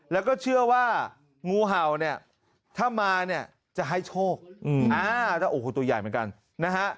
แล้วก็เชื่อว่างูเห่าเนี่ยถ้ามาเนี่ยจะให้โชคแล้วโอ้โหตัวใหญ่เหมือนกันนะฮะ